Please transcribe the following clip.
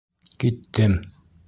Киттем!